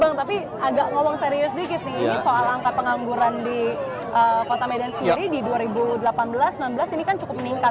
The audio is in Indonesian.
bang tapi agak ngomong serius dikit nih ini soal angka pengangguran di kota medan sendiri di dua ribu delapan belas dua ribu sembilan belas ini kan cukup meningkat